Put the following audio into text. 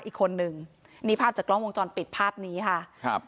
อีกคนนึงนี่ภาพจากกล้องวงจรปิดภาพนี้ค่ะครับ